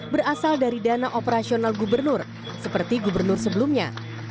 berasal dari dana operasional gubernur seperti gubernur sebelumnya